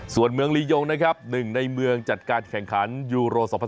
ส่วนเมืองลียงนะครับหนึ่งในเมืองจัดการแข่งขันยูโร๒๐๑๖